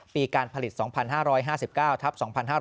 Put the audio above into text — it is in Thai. ปีการผลิต๒๕๕๙ทับ๒๕๕๙